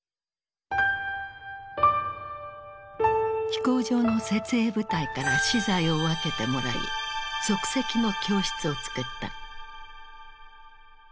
飛行場の設営部隊から資材を分けてもらい即席の教室を作った。